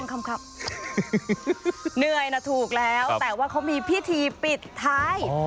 เหนื่อยนะถูกแล้วแต่ว่าเขามีพิธีปิดท้าย